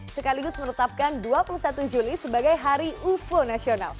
sekaligus menetapkan dua puluh satu juli sebagai hari ufo nasional